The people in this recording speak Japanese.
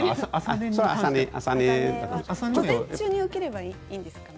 午前中に起きればいいですかね。